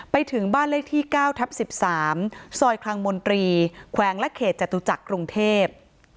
ไปถึงบ้านเลขที่๙ทับ๑๓ซอยคลังมนตรีแขวงและเขตจตุจักรกรุงเทพ